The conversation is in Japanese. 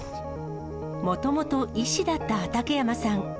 もともと医師だった畠山さん。